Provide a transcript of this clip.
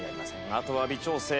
あとは微調整。